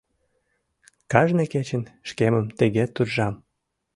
— Кажне кечын шкемым тыге туржам.